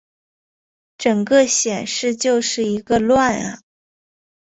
整个显示就是一个乱啊